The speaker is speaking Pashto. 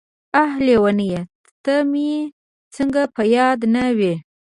داح لېونۍ ته مې څنګه په ياده نه وې.